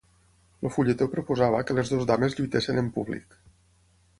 El fulletó proposava que les dues dames lluitessin en públic.